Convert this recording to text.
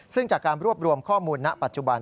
ซึ่งจากการรวบรวมข้อมูลณปัจจุบัน